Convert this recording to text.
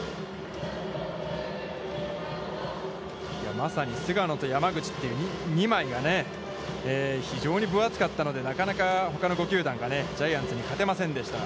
まさに菅野と山口という２枚が、非常に分厚かったのでなかなか、ほかの５球団がジャイアンツに勝てませんでした、